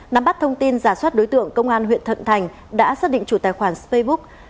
nắm bắt thông tin giả soát đối tượng công an huyện thuận thành đã xác định chủ tài khoản facebook